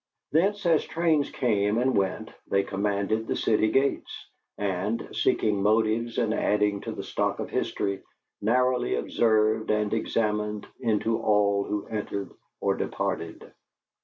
Thence, as trains came and went, they commanded the city gates, and, seeking motives and adding to the stock of history, narrowly observed and examined into all who entered or departed.